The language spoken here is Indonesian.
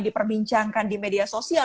diperbincangkan di media sosial